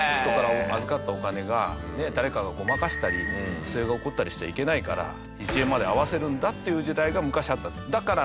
人から預かったお金が誰かがごまかしたり不正が起こったりしちゃいけないから１円まで合わせるんだっていう時代が昔あったんです。